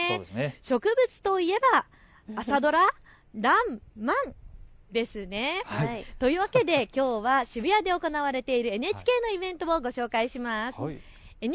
植物といえば朝ドラ、らんまんですね。というわけで、きょうは渋谷で行われているＮＨＫのイベントをご紹介します。